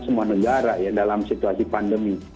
ya sekolah semua negara ya dalam situasi pandemi